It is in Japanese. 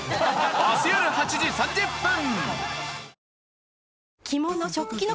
明日よる８時３０分！